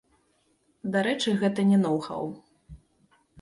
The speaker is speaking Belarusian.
Дарэчы, гэта не ноў-хаў.